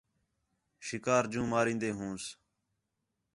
شِکار جوں مارین٘دے ہونس